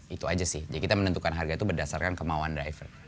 itu aja sih jadi kita menentukan harga itu berdasarkan kemauan driver